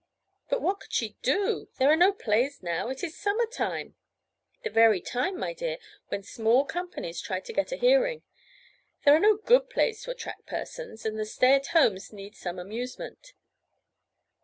"But what could she do? There are no plays now—it is summer time!" "The very time, my dear, when small companies try to get a hearing. There are no good plays to attract persons, and the stay at homes need some amusement."